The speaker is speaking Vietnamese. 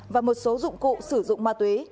và một số dụng cụ sử dụng ma túy